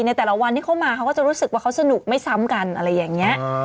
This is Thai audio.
ในแต่ละวันที่เขามาเขาก็จะรู้สึกว่าเขาสนุกไม่ซ้ำกันอะไรอย่างนี้